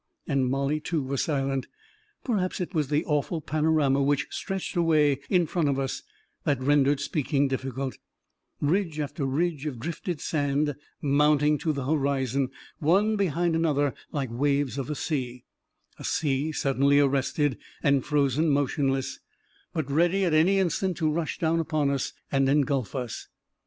And Mollie, too, was silent. Per haps it was the awful panorama which stretched away in front of us that rendered speaking difficult — ridge after ridge of drifted sand mounting to the horizon, one behind another like waves of a sea — a sea suddenly arrested and frozen motionless, but A KING IN BABYLON 359' ready at any instant to rush down upon us and en gulf us.